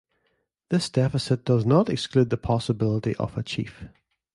This deficit does not exclude the possibility of a chief.